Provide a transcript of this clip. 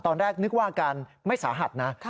ตอนแรกนึกว่าอาการไม่สาหัสนะ